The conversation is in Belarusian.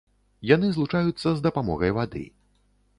Яны злучаюцца з дапамогай вады.